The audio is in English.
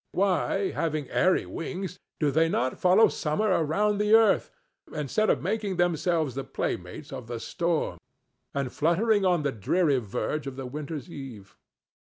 Why, having airy wings, do they not follow summer around the earth, instead of making themselves the playmates of the storm and fluttering on the dreary verge of the winter's eve?